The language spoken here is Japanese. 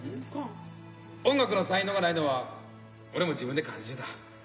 音楽の才能がないのは俺も自分で感じてた。